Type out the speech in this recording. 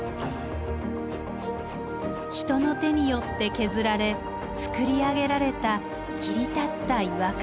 人の手によって削られつくり上げられた切り立った岩壁。